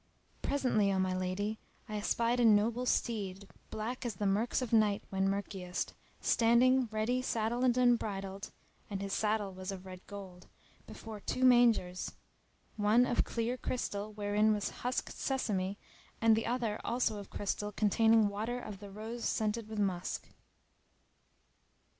Presently, O my lady, I espied a noble steed, black as the murks of night when murkiest, standing, ready saddled and bridled (and his saddle was of red gold) before two mangers, one of clear crystal wherein was husked sesame, and the other also of crystal containing water of the rose scented with musk.